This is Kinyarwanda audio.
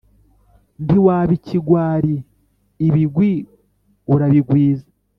ntiwaba ikigwari ibigwi urabigwiza